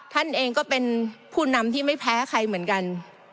ท่านเองก็เป็นผู้นำที่ไม่แพ้ใครเหมือนกัน